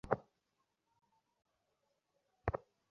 আপনার ভালোর জন্যই বলছি।